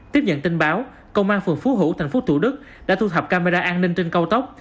tiếp nhận tin báo công an phường phú hữu tp thủ đức đã thu thập camera an ninh trên cao tốc